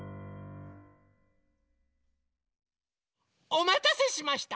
おまたせしました！